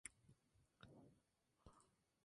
My Darling!